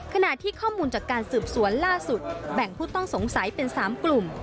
ขณะที่ข้อมูลจากการสืบสวนล่าสุดแบ่งผู้ต้องสงสัยเป็น๓กลุ่ม